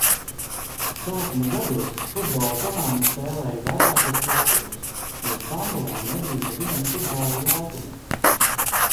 Sākuma gados futbola komanda spēlēja vairākos laukumos, jo Stambulā nebija neviena futbola laukuma.